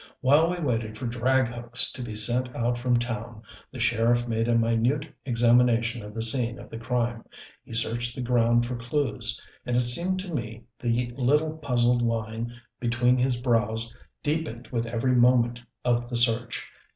While we waited for drag hooks to be sent out from town the sheriff made a minute examination of the scene of the crime. He searched the ground for clews; and it seemed to me the little puzzled line between his brows deepened with every moment of the search.